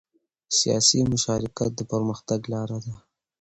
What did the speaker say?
سیاسي مشارکت د پرمختګ لاره ده